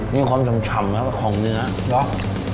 มีความฉ่ำฉ่ำแล้วก็ของเนื้อแล้ว